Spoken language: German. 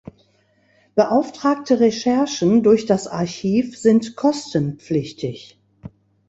Beauftragte Recherchen durch das Archiv sind kostenpflichtig.